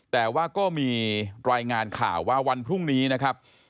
แต่ว่าก็มีรายงานข่าวว่าวันพรุ่งนี้นะครับ